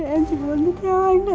trời ơi em chỉ muốn đi theo anh đấy thôi